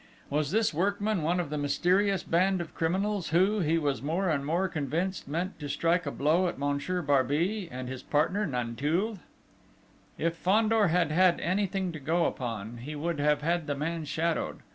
Was this workman one of the mysterious band of criminals who, he was more and more convinced, meant to strike a blow at Monsieur Barbey, and his partner, Nanteuil? If Fandor had had anything to go upon, he would have had the man shadowed.